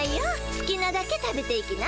すきなだけ食べていきな。